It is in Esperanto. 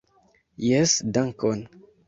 Jes dankon!